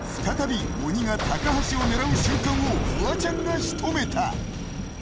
再び鬼が高橋を狙う瞬間をフワちゃんがしとめた